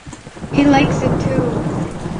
He likes it too.